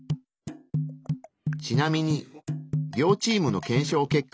ちなみに両チームの検証結果は。